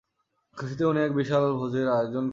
খুশিতে উনি এক বিশাল ভোজের আয়োজন করলেন।